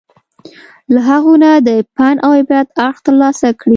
له هغو نه د پند او عبرت اړخ ترلاسه کړي.